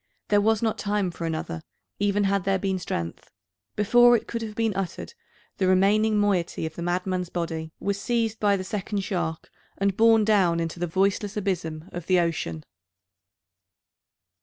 There was not time for another, even had there been strength. Before it could have been uttered, the remaining moiety of the madman's body was seized by the second shark, and borne down into the voiceless abysm of the ocean!